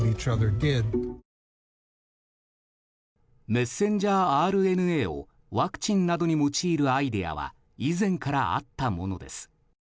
メッセンジャーＲＮＡをワクチンなどに用いるアイデアは以前からあったものです。